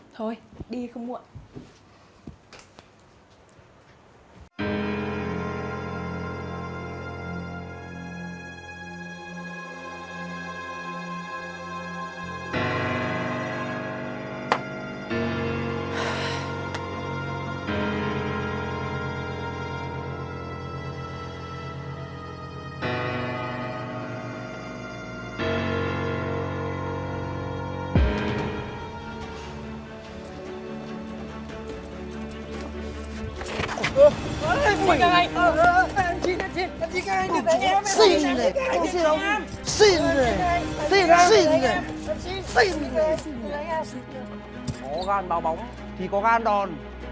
thôi đi không muộn